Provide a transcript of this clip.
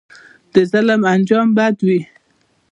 د ظلم انجام بد وي